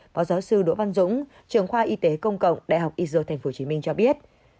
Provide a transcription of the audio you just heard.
phó giáo sư đỗ văn dũng trường khoa y tế công cộng đại học iso tp hcm cho biết